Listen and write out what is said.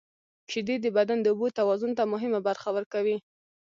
• شیدې د بدن د اوبو توازن ته مهمه برخه ورکوي.